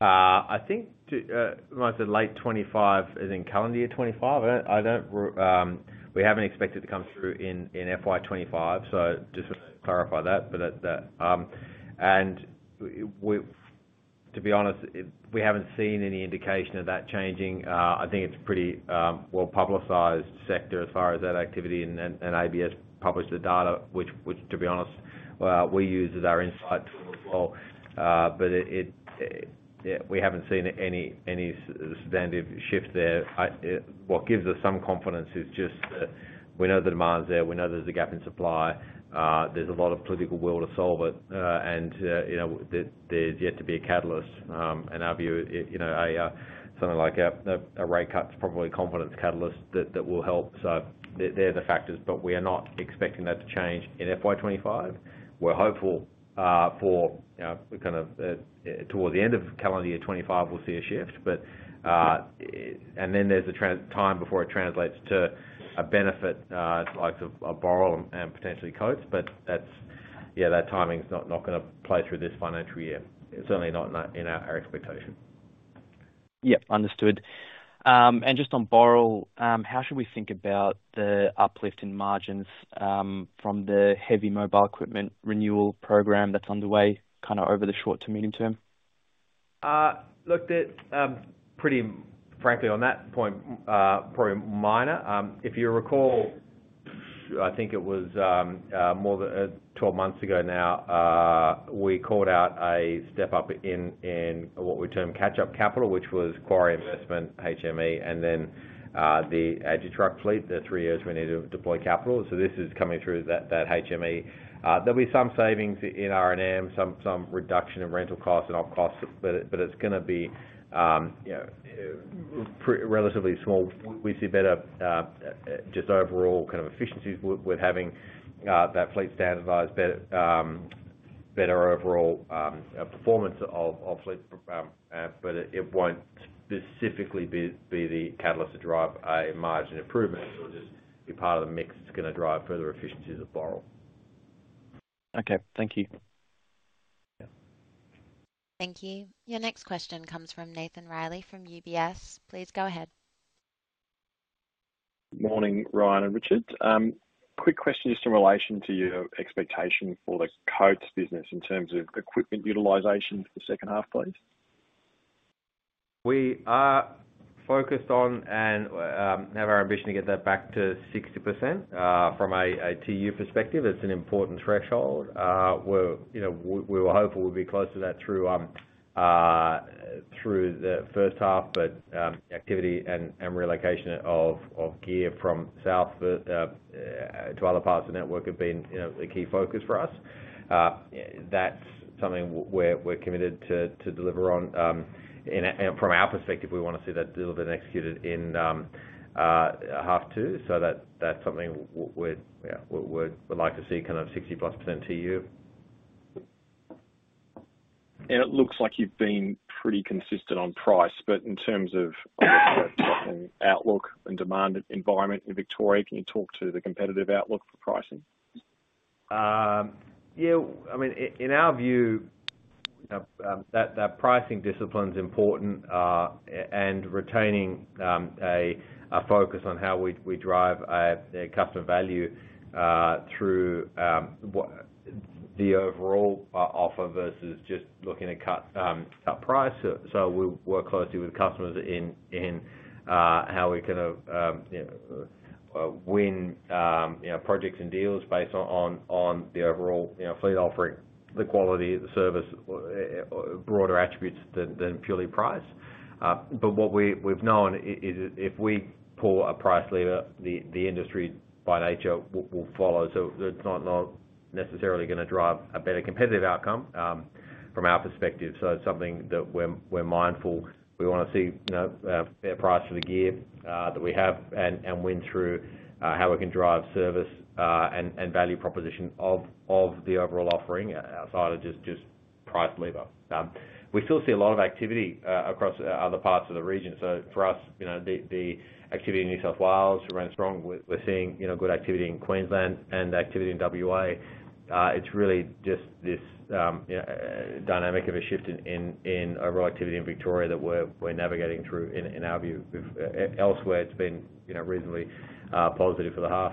C: I think the late 2025 is in calendar year 2025. We haven't expected it to come through in FY 2025. So just want to clarify that. And to be honest, we haven't seen any indication of that changing. I think it's a pretty well-publicized sector as far as that activity. And ABS published the data, which, to be honest, we use as our insight tool as well. But we haven't seen any substantive shift there. What gives us some confidence is just that we know the demand's there. We know there's a gap in supply. There's a lot of political will to solve it. And there's yet to be a catalyst. In our view, something like a rate cut is probably a confidence catalyst that will help. So they're the factors. But we are not expecting that to change in FY 2025. We're hopeful for kind of towards the end of calendar year 2025, we'll see a shift. And then there's the time before it translates to a benefit like a Boral and potentially Coates. But yeah, that timing is not going to play through this financial year. Certainly not in our expectation.
J: Yep. Understood. And just on Boral, how should we think about the uplift in margins from the heavy mobile equipment renewal program that's underway kind of over the short to medium term?
B: Look, pretty frankly, on that point, probably minor. If you recall, I think it was more than 12 months ago now, we called out a step up in what we term catch-up capital, which was quarry investment, HME, and then the WesTrac fleet, the three years we need to deploy capital. So this is coming through that HME. There'll be some savings in R&M, some reduction in rental costs and op costs. But it's going to be relatively small. We see better just overall kind of efficiencies with having that fleet standardized, better overall performance of fleet. But it won't specifically be the catalyst to drive a margin improvement. It'll just be part of the mix that's going to drive further efficiencies of Boral.
J: Okay. Thank you.
A: Thank you. Your next question comes from Nathan Reilly from UBS. Please go ahead.
K: Morning, Ryan and Richard. Quick question just in relation to your expectation for the Coates business in terms of equipment utilization for the second half, please.
B: We are focused on and have our ambition to get that back to 60%. From a TU perspective, it's an important threshold. We were hopeful we'd be close to that through the first half. But activity and relocation of gear from south to other parts of the network have been a key focus for us. That's something we're committed to deliver on. From our perspective, we want to see that delivered and executed in half two. So that's something we'd like to see kind of 60%+ TU.
K: And it looks like you've been pretty consistent on price. But in terms of the outlook and demand environment in Victoria, can you talk to the competitive outlook for pricing?
B: Yeah. I mean, in our view, that pricing discipline is important and retaining a focus on how we drive customer value through the overall offer versus just looking at cut price. So we work closely with customers in how we kind of win projects and deals based on the overall fleet offering, the quality, the service, broader attributes than purely price. But what we've known is if we pull a price lever, the industry by nature will follow. So it's not necessarily going to drive a better competitive outcome from our perspective. So it's something that we're mindful. We want to see a fair price for the gear that we have and win through how we can drive service and value proposition of the overall offering outside of just price lever. We still see a lot of activity across other parts of the region. So for us, the activity in New South Wales remains strong. We're seeing good activity in Queensland and activity in WA. It's really just this dynamic of a shift in overall activity in Victoria that we're navigating through in our view. Elsewhere, it's been reasonably positive for the half.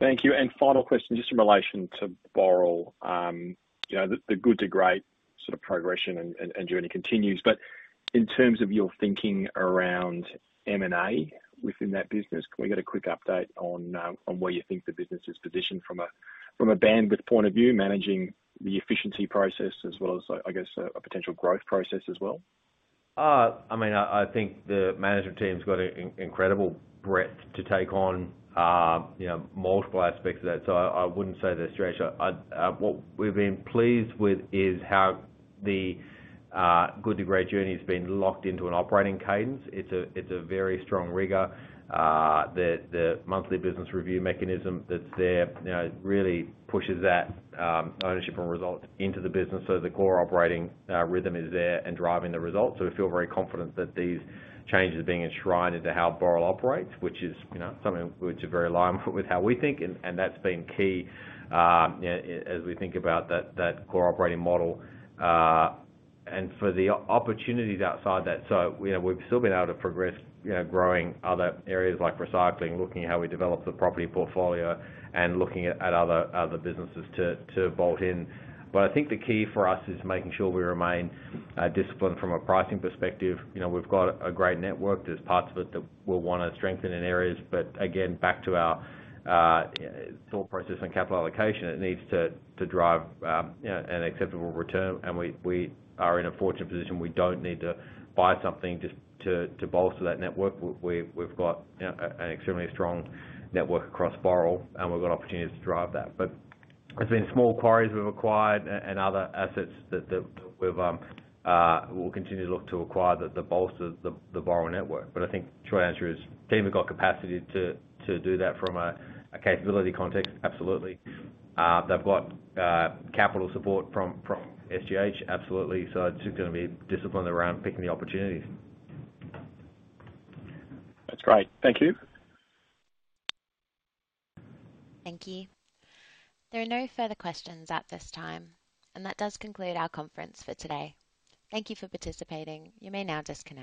K: Thank you. And final question, just in relation to Boral, the Good to Great sort of progression and journey continues. But in terms of your thinking around M&A within that business, can we get a quick update on where you think the business is positioned from a bandwidth point of view, managing the efficiency process as well as, I guess, a potential growth process as well?
B: I mean, I think the management team's got incredible breadth to take on multiple aspects of that. So I wouldn't say they're stretched. What we've been pleased with is how the Good to Great journey has been locked into an operating cadence. It's a very strong rigor. The monthly business review mechanism that's there really pushes that ownership and result into the business. So the core operating rhythm is there and driving the result. So we feel very confident that these changes are being enshrined into how Boral operates, which is something which is very aligned with how we think. And that's been key as we think about that core operating model. And for the opportunities outside that, so we've still been able to progress growing other areas like recycling, looking at how we develop the property portfolio, and looking at other businesses to bolt in. But I think the key for us is making sure we remain disciplined from a pricing perspective. We've got a great network. There's parts of it that we'll want to strengthen in areas. But again, back to our thought process and capital allocation, it needs to drive an acceptable return. And we are in a fortunate position. We don't need to buy something just to bolster that network. We've got an extremely strong network across Boral, and we've got opportunities to drive that. But there's been small quarries we've acquired and other assets that we'll continue to look to acquire that bolster the Boral network. But I think the short answer is, team, we've got capacity to do that from a capability context, absolutely. They've got capital support from SGH, absolutely. So it's just going to be disciplined around picking the opportunities.
K: That's great. Thank you.
A: Thank you. There are no further questions at this time. And that does conclude our conference for today. Thank you for participating. You may now disconnect.